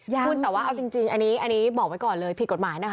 ยังคุณแต่ว่าเอาจริงจริงอันนี้อันนี้บอกไว้ก่อนเลยผิดกฎหมายนะคะ